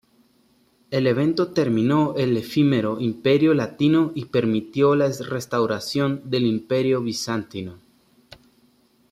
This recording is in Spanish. El evento terminó el efímero Imperio latino y permitió la restauración del Imperio bizantino.